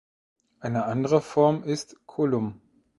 Eine andere Form ist Colum.